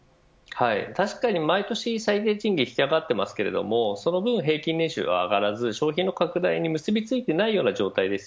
確かに毎年最低賃金は引き上がっていますがその分平均年収は上がらず消費の拡大に結びついていません。